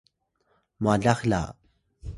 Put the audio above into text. mwalax la